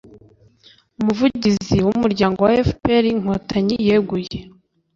umuvugizi w’umuryango wa fpr inkotanyi yeguye